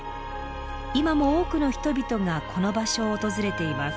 今も多くの人々がこの場所を訪れています。